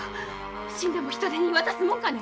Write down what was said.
死んでも人手に渡すもんかね